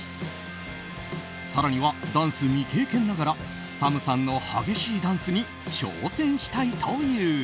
更には、ダンス未経験ながらＳＡＭさんの激しいダンスに挑戦したいという。